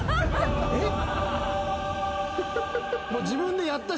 えっ？